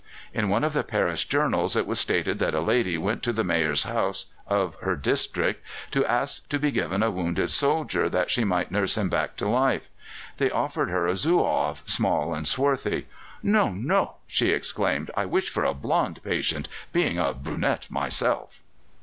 In one of the Paris journals it was stated that a lady went to the Mayor's house of her district to ask to be given a wounded soldier, that she might nurse him back to life. They offered her a Zouave, small and swarthy. "No, no," she exclaimed; "I wish for a blonde patient, being a brunette myself."